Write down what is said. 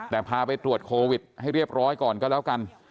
แต่พาไปตรวจโควิดให้เรียบร้อยก่อนก็แล้วกัน